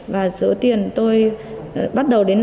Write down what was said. và giữa tiền tôi bắt đầu để